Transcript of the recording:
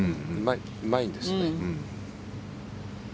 うまいんですよね。